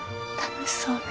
楽しそうね。